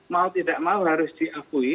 mau tidak mau harus diakui